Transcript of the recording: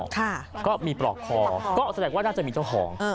ค่ะก็มีปลอกคอก็แสดงว่าน่าจะมีเจ้าของ